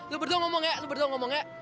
lo berdua ngomong ya lo berdua ngomong ya